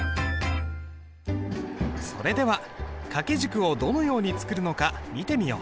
それでは掛軸をどのように作るのか見てみよう。